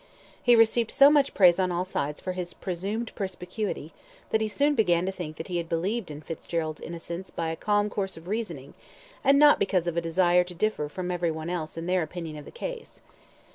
He received so much praise on all sides for his presumed perspicuity, that he soon began to think that he had believed in Fitzgerald's innocence by a calm course of reasoning, and not because of a desire to differ from every one else in their opinion of the case.